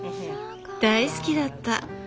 大好きだった。